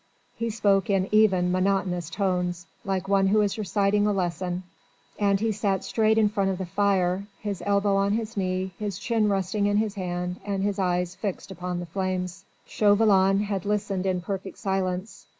He spoke in even, monotonous tones, like one who is reciting a lesson; and he sat straight in front of the fire, his elbow on his knee, his chin resting in his hand and his eyes fixed upon the flames. Chauvelin had listened in perfect silence.